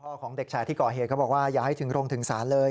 ของเด็กชายที่ก่อเหตุเขาบอกว่าอย่าให้ถึงโรงถึงศาลเลย